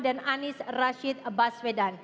dan anis rashid baswedan